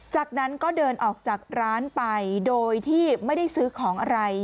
จากนั้นก็เดินออกจากร้านไปโดยที่ไม่ได้ซื้อของอะไร